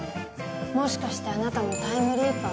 もしかしてあなたもタイムリーパー？